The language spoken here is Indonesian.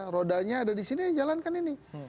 rodanya ada disini ya jalankan ini